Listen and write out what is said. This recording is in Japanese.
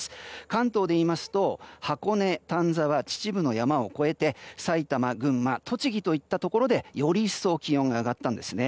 関東で言いますと箱根、丹沢、秩父の山を越えて埼玉、群馬栃木といったところでより一層気温が上がったんです。